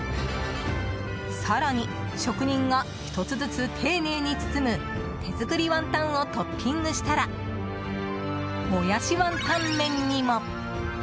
更に、職人が１つずつ丁寧に包む手作りワンタンをトッピングしたらもやしワンタン麺にも。